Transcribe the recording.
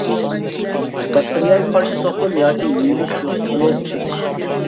باكتېرىيەگە قارشى سوپۇن ياكى يۇيۇنۇش سۇيۇقلۇقىنى ئىشلىتىش.